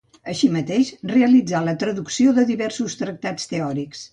Així mateix, realitzà la traducció de diversos tractats teòrics.